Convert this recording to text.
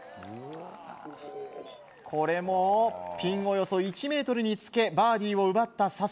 これもピンおよそ１ｍにつけバーディーを奪った笹生。